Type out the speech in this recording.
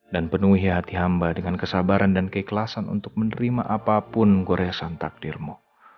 dan penuhi hati hamba dengan kesabaran dan keikhlasan untuk menerima apapun goresan takdirmu